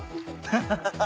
ハハハハ！